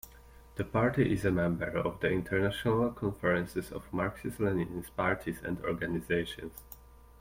The party is a member of the International Conference of Marxist-Leninist Parties and Organizations.